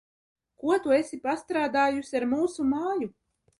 Ko tu esi pastrādājusi ar mūsu māju?